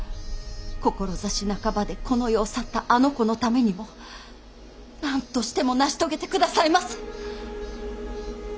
志半ばでこの世を去ったあの子のためにも何としても成し遂げてくださいませ。